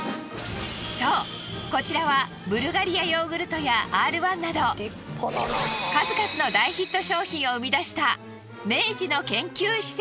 そうこちらはブルガリアヨーグルトやＲ−１など数々の大ヒット商品を生み出した明治の研究施設。